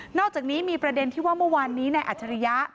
อกจากนี้มีประเด็นที่ว่าเมื่อวานนี้นายอัจฉริยะ